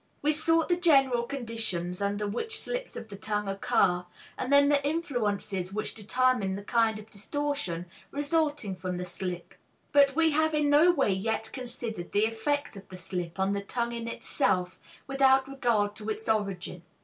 We sought the general conditions under which slips of the tongue occur, and then the influences which determine the kind of distortion resulting from the slip, but we have in no way yet considered the effect of the slip of the tongue in itself, without regard to its origin.